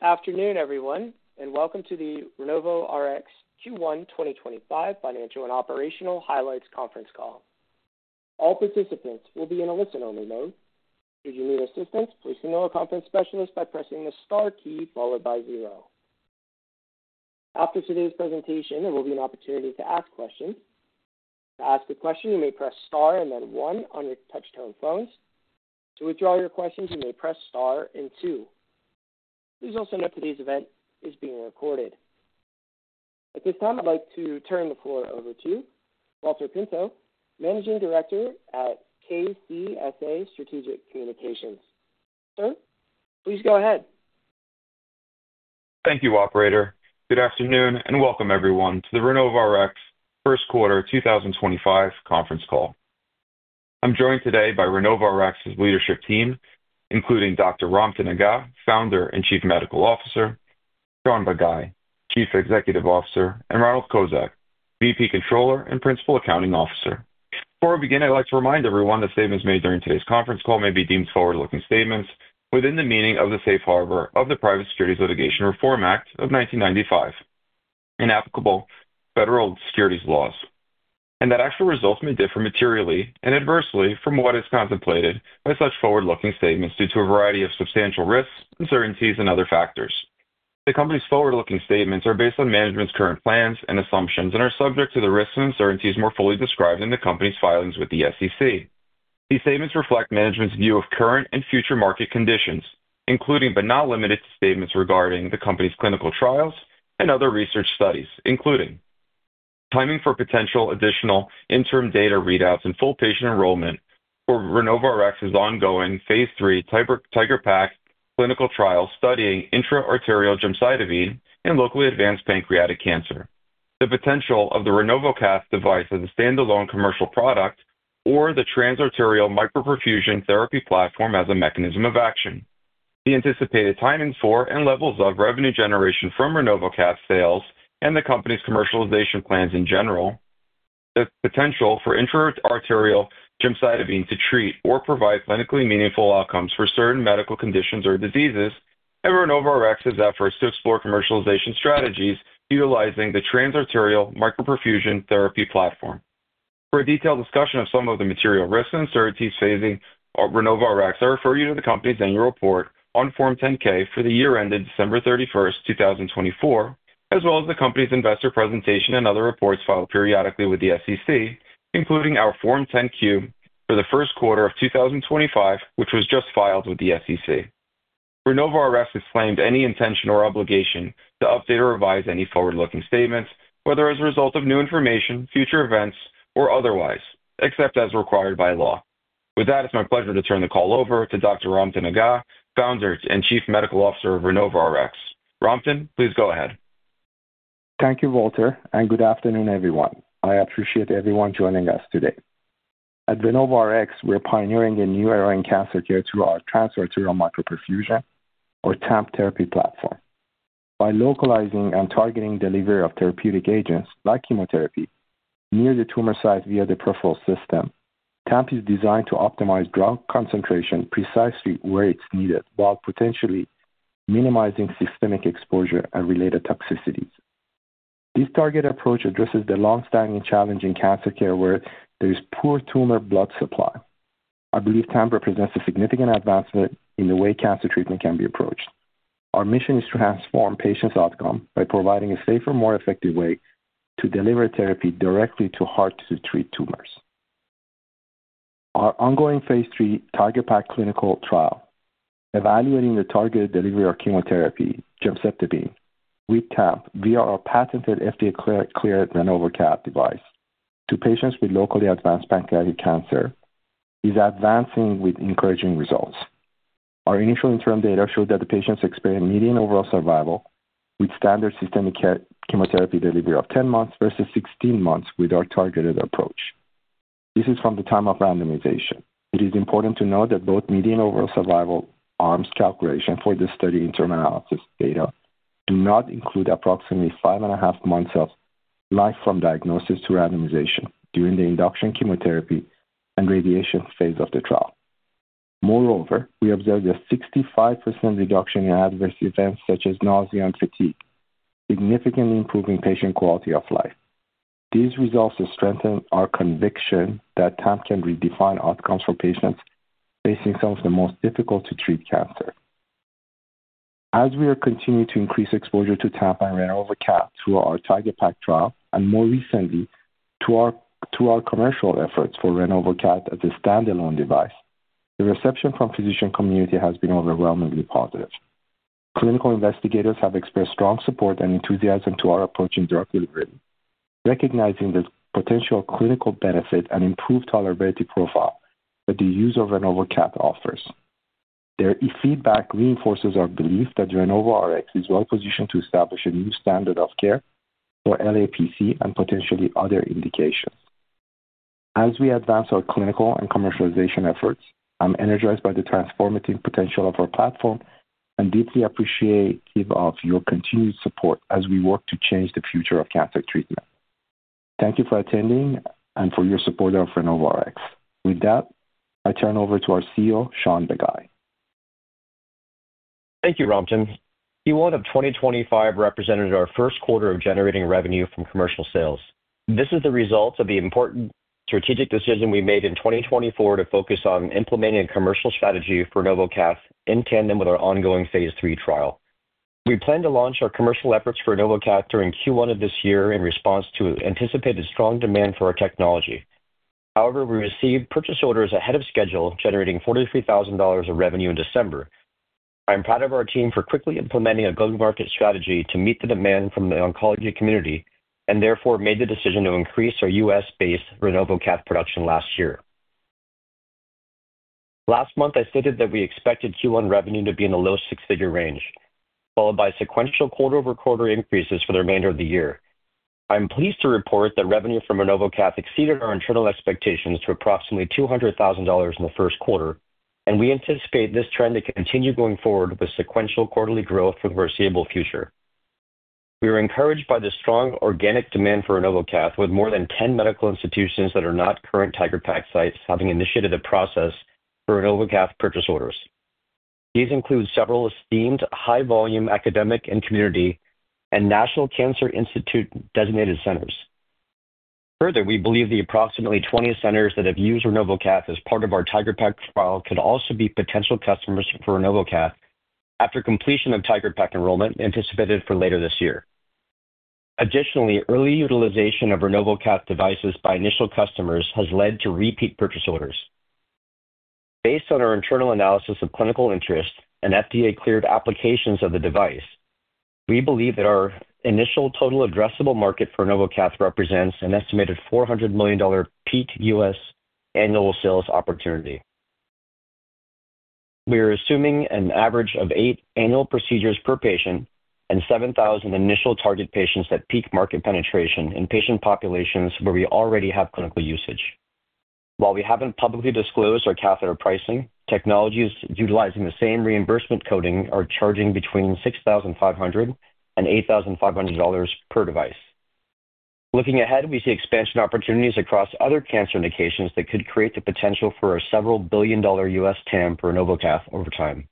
Good afternoon, everyone, and welcome to the RenovoRx Q1 2025 Financial and Operational Highlights Conference Call. All participants will be in a listen-only mode. Should you need assistance, please email our conference specialist by pressing the star key followed by zero. After today's presentation, there will be an opportunity to ask questions. To ask a question, you may press star and then one on your touch-tone phones. To withdraw your questions, you may press star and two. Please also note today's event is being recorded. At this time, I'd like to turn the floor over to Valter Pinto, Managing Director at KCSA Strategic Communications. Valter, please go ahead. Thank you, Operator. Good afternoon and welcome, everyone, to the RenovoRx First Quarter 2025 Conference Call. I'm joined today by RenovoRx's leadership team, including Dr. Ramtin Agah, Founder and Chief Medical Officer; Shaun Bagai, Chief Executive Officer; and Ronald Kocak, VP Controller and Principal Accounting Officer. Before we begin, I'd like to remind everyone that statements made during today's conference call may be deemed forward-looking statements within the meaning of the safe harbor of the Private Securities Litigation Reform Act of 1995, inapplicable to federal securities laws, and that actual results may differ materially and adversely from what is contemplated by such forward-looking statements due to a variety of substantial risks, uncertainties, and other factors. The company's forward-looking statements are based on management's current plans and assumptions and are subject to the risks and uncertainties more fully described in the company's filings with the SEC. These statements reflect management's view of current and future market conditions, including but not limited to statements regarding the company's clinical trials and other research studies, including timing for potential additional interim data readouts and full patient enrollment for RenovoRx's ongoing phase III TIGeR-PaC clinical trials studying intra-arterial gemcitabine in locally advanced pancreatic cancer, the potential of the RenovoCath device as a standalone commercial product, or the Trans-Arterial Micro-Perfusion Therapy Platform as a mechanism of action, the anticipated timing for and levels of revenue generation from RenovoCath sales and the company's commercialization plans in general, the potential for intra-arterial gemcitabine to treat or provide clinically meaningful outcomes for certain medical conditions or diseases, and RenovoRx's efforts to explore commercialization strategies utilizing the Trans-Arterial Micro-Perfusion Therapy Platform. For a detailed discussion of some of the material risks and uncertainties facing RenovoRx, I refer you to the company's annual report on Form 10-K for the year ended December 31, 2024, as well as the company's investor presentation and other reports filed periodically with the SEC, including our Form 10-Q for the first quarter of 2025, which was just filed with the SEC. RenovoRx has disclaimed any intention or obligation to update or revise any forward-looking statements, whether as a result of new information, future events, or otherwise, except as required by law. With that, it's my pleasure to turn the call over to Dr. Ramtin Agah, Founder and Chief Medical Officer of RenovoRx. Ramtin, please go ahead. Thank you, Valter, and good afternoon, everyone. I appreciate everyone joining us today. At RenovoRx, we're pioneering a new area in cancer care through our Trans-Arterial Micro-Perfusion, or TAMP therapy platform. By localizing and targeting delivery of therapeutic agents like chemotherapy near the tumor site via the peripheral system, TAMP is designed to optimize drug concentration precisely where it's needed while potentially minimizing systemic exposure and related toxicities. This target approach addresses the long-standing challenge in cancer care where there is poor tumor blood supply. I believe TAMP represents a significant advancement in the way cancer treatment can be approached. Our mission is to transform patients' outcome by providing a safer, more effective way to deliver therapy directly to hard-to-treat tumors. Our ongoing phase III TIGeR-PaC clinical trial, evaluating the targeted delivery of chemotherapy gemcitabine with TAMP via our patented FDA-cleared RenovoCath device to patients with locally advanced pancreatic cancer, is advancing with encouraging results. Our initial interim data showed that the patients experienced median overall survival with standard systemic chemotherapy delivery of 10 months versus 16 months with our targeted approach. This is from the time of randomization. It is important to note that both median overall survival arms calculation for this study interim analysis data do not include approximately five and a half months of life from diagnosis to randomization during the induction chemotherapy and radiation phase of the trial. Moreover, we observed a 65% reduction in adverse events such as nausea and fatigue, significantly improving patient quality of life. These results strengthen our conviction that TAMP can redefine outcomes for patients facing some of the most difficult-to-treat cancer. As we are continuing to increase exposure to TAMP and RenovoCath through our TIGeR-PaC trial and more recently to our commercial efforts for RenovoCath as a standalone device, the reception from the physician community has been overwhelmingly positive. Clinical investigators have expressed strong support and enthusiasm to our approach in drug delivery, recognizing the potential clinical benefit and improved tolerability profile that the use of RenovoCath offers. Their feedback reinforces our belief that RenovoRx is well-positioned to establish a new standard of care for LAPC and potentially other indications. As we advance our clinical and commercialization efforts, I'm energized by the transformative potential of our platform and deeply appreciative of your continued support as we work to change the future of cancer treatment. Thank you for attending and for your support of RenovoRx. With that, I turn over to our CEO, Shaun Bagai. Thank you, Ramtin. Q1 of 2025 represented our first quarter of generating revenue from commercial sales. This is the result of the important strategic decision we made in 2024 to focus on implementing a commercial strategy for RenovoCath in tandem with our ongoing phase III trial. We plan to launch our commercial efforts for RenovoCath during Q1 of this year in response to anticipated strong demand for our technology. However, we received purchase orders ahead of schedule, generating $43,000 of revenue in December. I'm proud of our team for quickly implementing a go-to-market strategy to meet the demand from the oncology community and therefore made the decision to increase our U.S.-based RenovoCath production last year. Last month, I stated that we expected Q1 revenue to be in the low six-figure range, followed by sequential quarter-over-quarter increases for the remainder of the year. I'm pleased to report that revenue from RenovoCath exceeded our internal expectations to approximately $200,000 in the first quarter, and we anticipate this trend to continue going forward with sequential quarterly growth for the foreseeable future. We are encouraged by the strong organic demand for RenovoCath, with more than 10 medical institutions that are not current TIGeR-PaC sites having initiated the process for RenovoCath purchase orders. These include several esteemed high-volume academic and community and National Cancer Institute designated centers. Further, we believe the approximately 20 centers that have used RenovoCath as part of our TIGeR-PaC trial could also be potential customers for RenovoCath after completion of TIGeR-PaC enrollment anticipated for later this year. Additionally, early utilization of RenovoCath devices by initial customers has led to repeat purchase orders. Based on our internal analysis of clinical interest and FDA-cleared applications of the device, we believe that our initial total addressable market for RenovoCath represents an estimated $400 million peak U.S. annual sales opportunity. We are assuming an average of eight annual procedures per patient and 7,000 initial target patients at peak market penetration in patient populations where we already have clinical usage. While we haven't publicly disclosed our catheter pricing, technologies utilizing the same reimbursement coding are charging between $6,500 and $8,500 per device. Looking ahead, we see expansion opportunities across other cancer indications that could create the potential for a several billion dollar U.S. TAMP for RenovoCath over time.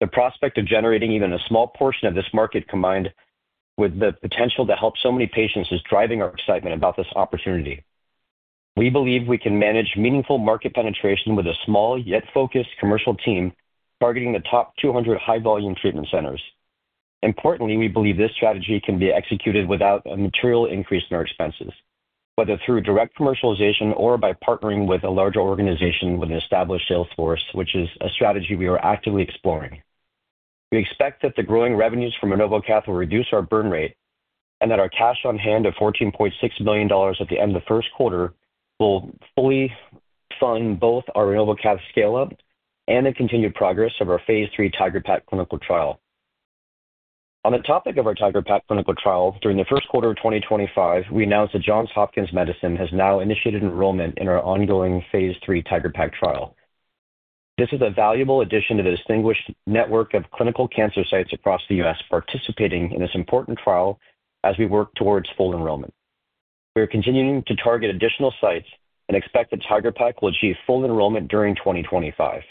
The prospect of generating even a small portion of this market combined with the potential to help so many patients is driving our excitement about this opportunity. We believe we can manage meaningful market penetration with a small yet focused commercial team targeting the top 200 high-volume treatment centers. Importantly, we believe this strategy can be executed without a material increase in our expenses, whether through direct commercialization or by partnering with a larger organization with an established sales force, which is a strategy we are actively exploring. We expect that the growing revenues from RenovoCath will reduce our burn rate and that our cash on hand of $14.6 million at the end of the first quarter will fully fund both our RenovoCath scale-up and the continued progress of our phase III TIGeR-PaC clinical trial. On the topic of our TIGeR-PaC clinical trial, during the first quarter of 2025, we announced that Johns Hopkins Medicine has now initiated enrollment in our ongoing phase III TIGeR-PaC trial. This is a valuable addition to the distinguished network of clinical cancer sites across the U.S. participating in this important trial as we work towards full enrollment. We are continuing to target additional sites and expect that TIGeR-PaC will achieve full enrollment during 2025.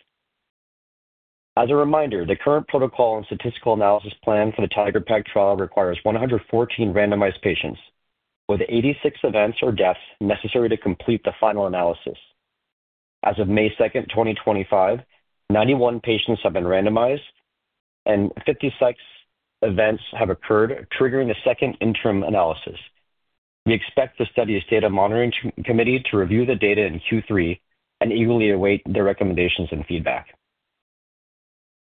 As a reminder, the current protocol and statistical analysis plan for the TIGeR-PaC trial requires 114 randomized patients with 86 events or deaths necessary to complete the final analysis. As of May 2, 2025, 91 patients have been randomized and 56 events have occurred, triggering the second interim analysis. We expect the study's data monitoring committee to review the data in Q3 and eagerly await their recommendations and feedback.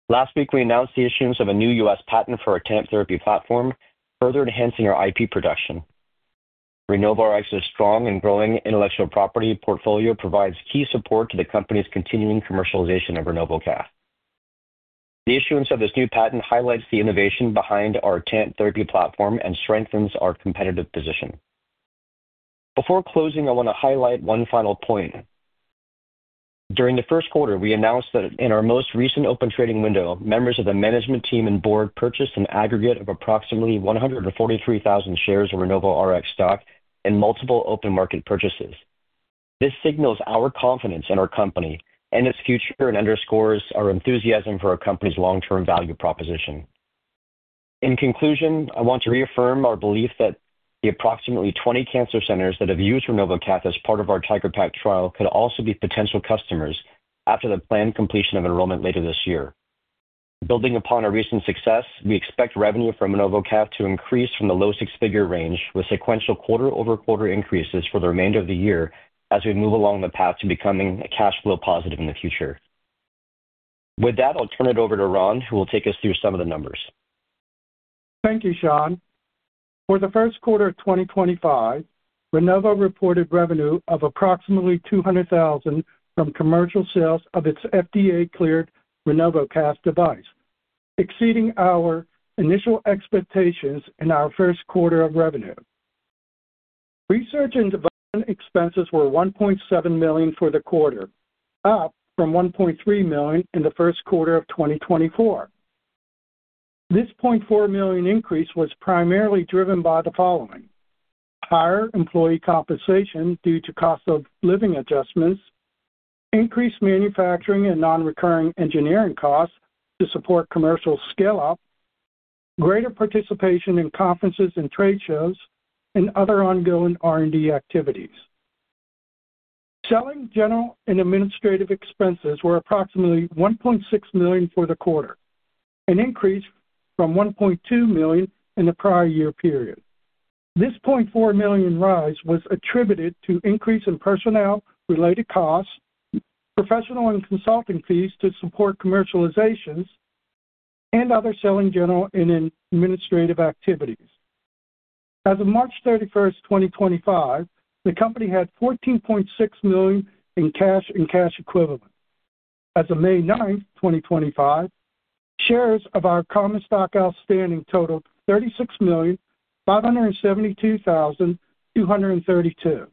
Last week, we announced the issuance of a new U.S. patent for our TAMP therapy platform, further enhancing our IP protection. RenovoRx's strong and growing intellectual property portfolio provides key support to the company's continuing commercialization of RenovoCath. The issuance of this new patent highlights the innovation behind our TAMP therapy platform and strengthens our competitive position. Before closing, I want to highlight one final point. During the first quarter, we announced that in our most recent open trading window, members of the management team and board purchased an aggregate of approximately 143,000 shares of RenovoRx stock in multiple open market purchases. This signals our confidence in our company and its future and underscores our enthusiasm for our company's long-term value proposition. In conclusion, I want to reaffirm our belief that the approximately 20 cancer centers that have used RenovoCath as part of our TIGeR-PaC trial could also be potential customers after the planned completion of enrollment later this year. Building upon our recent success, we expect revenue from RenovoCath to increase from the low six-figure range with sequential quarter-over-quarter increases for the remainder of the year as we move along the path to becoming cash flow positive in the future. With that, I'll turn it over to Ron, who will take us through some of the numbers. Thank you, Shaun. For the first quarter of 2025, RenovoRx reported revenue of approximately $200,000 from commercial sales of its FDA-cleared RenovoCath device, exceeding our initial expectations in our first quarter of revenue. Research and development expenses were $1.7 million for the quarter, up from $1.3 million in the first quarter of 2024. This $0.4 million increase was primarily driven by the following: higher employee compensation due to cost of living adjustments, increased manufacturing and non-recurring engineering costs to support commercial scale-up, greater participation in conferences and trade shows, and other ongoing R&D activities. Selling, general and administrative expenses were approximately $1.6 million for the quarter, an increase from $1.2 million in the prior year period. This $0.4 million rise was attributed to increase in personnel-related costs, professional and consulting fees to support commercialization, and other selling, general and administrative activities. As of March 31, 2025, the company had $14.6 million in cash and cash equivalent. As of May 9, 2025, shares of our common stock outstanding totaled 36,572,232.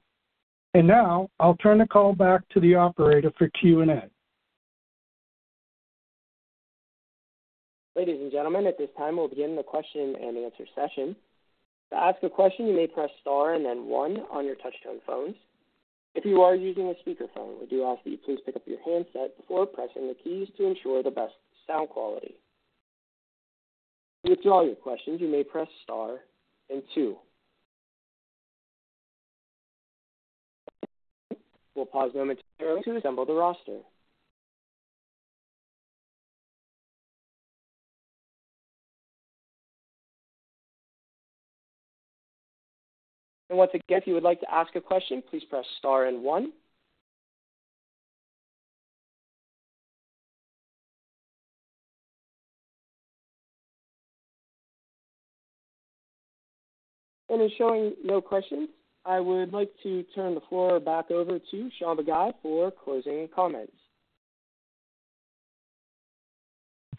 Now, I'll turn the call back to the operator for Q&A. Ladies and gentlemen, at this time, we'll begin the question and answer session. To ask a question, you may press star and then one on your touch-tone phones. If you are using a speakerphone, we do ask that you please pick up your handset before pressing the keys to ensure the best sound quality. To answer all your questions, you may press star and two. We'll pause momentarily to assemble the roster. Once again, if you would like to ask a question, please press star and one. In showing no questions, I would like to turn the floor back over to Shaun Bagai for closing comments.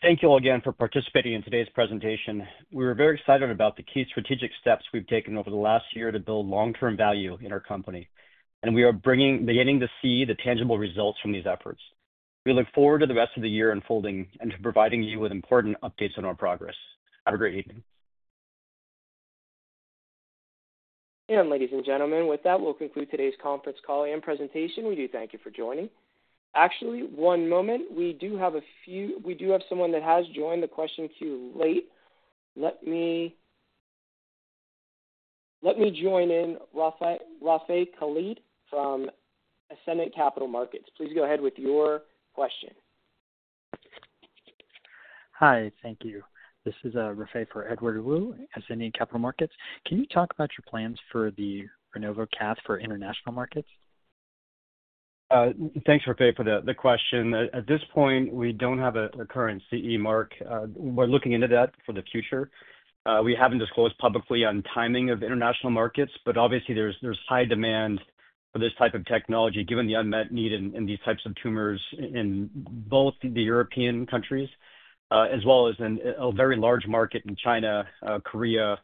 Thank you all again for participating in today's presentation. We are very excited about the key strategic steps we've taken over the last year to build long-term value in our company, and we are beginning to see the tangible results from these efforts. We look forward to the rest of the year unfolding and to providing you with important updates on our progress. Have a great evening. Ladies and gentlemen, with that, we'll conclude today's conference call and presentation. We do thank you for joining. Actually, one moment. We do have a few—we do have someone that has joined the question queue late. Let me join in, Rafay Khalid from Ascendiant Capital Markets. Please go ahead with your question. Hi, thank you. This is Rafay for Edward Wu at Ascendiant Capital Markets. Can you talk about your plans for the RenovoCath for international markets? Thanks, Rafay, for the question. At this point, we don't have a current CE mark. We're looking into that for the future. We haven't disclosed publicly on timing of international markets, but obviously, there's high demand for this type of technology given the unmet need in these types of tumors in both the European countries, as well as a very large market in China, Korea,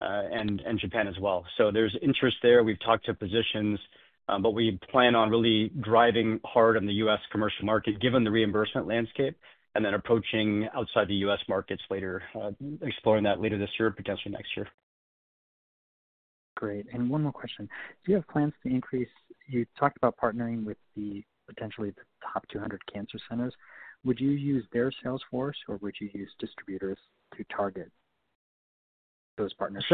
and Japan as well. There is interest there. We've talked to physicians, but we plan on really driving hard on the U.S. commercial market given the reimbursement landscape and then approaching outside the U.S. markets later, exploring that later this year, potentially next year. Great. One more question. Do you have plans to increase, you talked about partnering with potentially the top 200 cancer centers. Would you use their sales force, or would you use distributors to target those partners?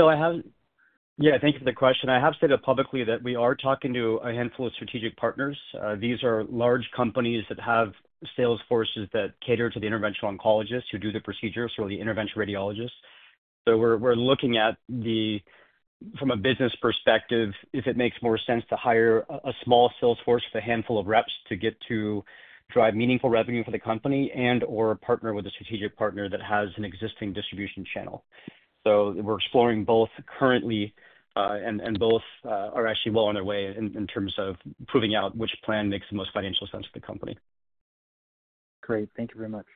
Yeah, thank you for the question. I have stated publicly that we are talking to a handful of strategic partners. These are large companies that have sales forces that cater to the interventional oncologists who do the procedures, or the interventional radiologists. We are looking at, from a business perspective, if it makes more sense to hire a small sales force with a handful of reps to drive meaningful revenue for the company and/or partner with a strategic partner that has an existing distribution channel. We are exploring both currently, and both are actually well on their way in terms of proving out which plan makes the most financial sense for the company. Great. Thank you very much.